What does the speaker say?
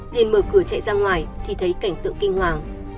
nên mở cửa chạy ra ngoài thì thấy cảnh tượng kinh hoàng